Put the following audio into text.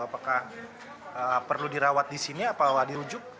apakah perlu dirawat di sini atau dirujuk